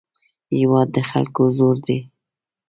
هېواد د خلکو زور دی.